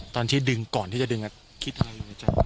ตอนที่ดึงก่อนที่จะดึงคิดอะไรอยู่ในใจ